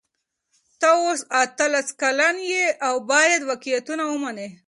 ته اوس اتلس کلنه یې او باید واقعیتونه ومنې.